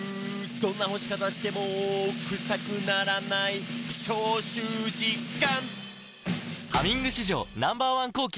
「どんな干し方してもクサくならない」「消臭実感！」